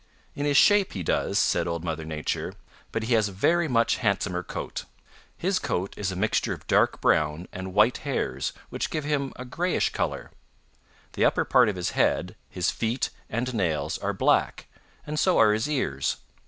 "In his shape he does," said Old Mother Nature, "but he has a very much handsomer coat. His coat is a mixture of dark brown and white hairs which give him a grayish color. The upper part of his head, his feet and nails are black, and so are his ears.